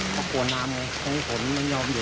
เพราะกวนน้ำไงเพราะว่าผลมันยอมหยุด